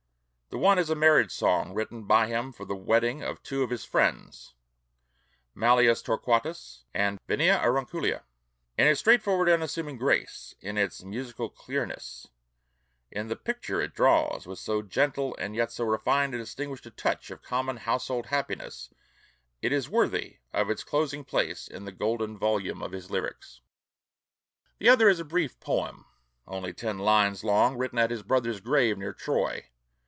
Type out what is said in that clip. The one is a marriage song written by him for the wedding of two of his friends, Mallius Torquatus and Vinia Aurunculeia. In its straightforward unassuming grace, in its musical clearness, in the picture it draws, with so gentle and yet so refined and distinguished a touch, of common household happiness, it is worthy of its closing place in the golden volume of his lyrics. The other is a brief poem, only ten lines long, written at his brother's grave near Troy.